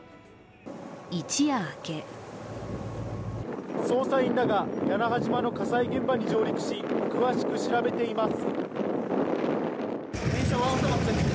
一夜明け捜査員らが屋那覇島の火災現場に上陸し詳しく調べています。